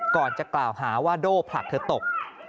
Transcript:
ก่อนจะกล่าวหาว่าโด่ผลักเธอตก